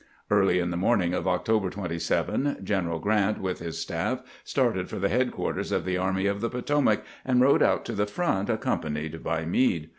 Early on the morning of October 27 General Grant, with his staff, started for the headquarters of the Army of the Potomac, and rode out to the front, accompanied by Meade.